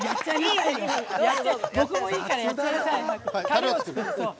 僕もいいからやっちゃいなさい。